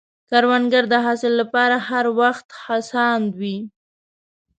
کروندګر د حاصل له پاره هر وخت هڅاند وي